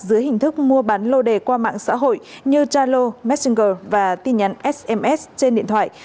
dưới hình thức mua bán lô đề qua mạng xã hội như zalo messenger và tin nhắn sms trên điện thoại